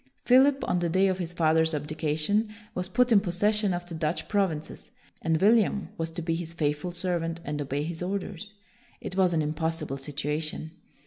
Philip, on the day of his father's abdication, was put in possession of the Dutch provinces, and William was to be his faithful serv ant and obey his orders. It was an im possible situation.